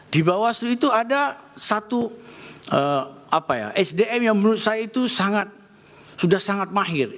di bawaslu itu ada satu sdm yang menurut saya itu sudah sangat mahir